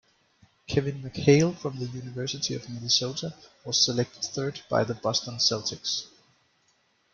Kevin McHale from the University of Minnesota was selected third by the Boston Celtics.